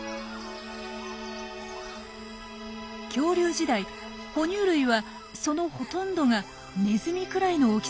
恐竜時代ほ乳類はそのほとんどがネズミくらいの大きさでした。